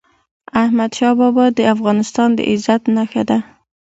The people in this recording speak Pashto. احمدشاه بابا د افغانستان د عزت نښه ده.